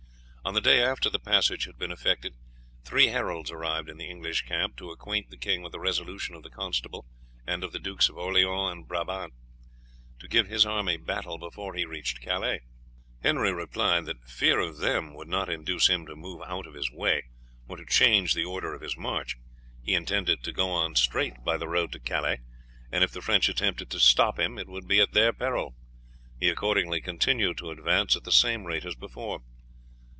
On the day after the passage had been effected three heralds arrived in the English camp to acquaint the king with the resolution of the constable and of the Dukes of Orleans and Brabant to give his army battle before he reached Calais. Henry replied that fear of them would not induce him to move out of his way or to change the order of his march; he intended to go on straight by the road to Calais, and if the French attempted to stop him it would be at their peril; he accordingly continued to advance at the same rate as before.